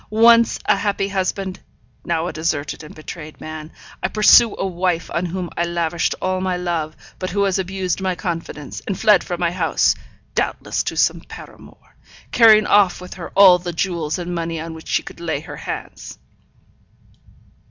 Once a happy husband, now a deserted and betrayed man, I pursue a wife on whom I lavished all my love, but who has abused my confidence, and fled from my house, doubtless to some paramour; carrying off with her all the jewels and money on which she could lay her hands.